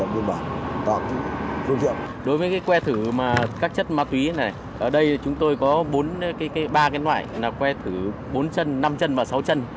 đối với cái que thử mà các chất ma túy này ở đây chúng tôi có ba cái loại là que thử bốn chân năm chân và sáu chân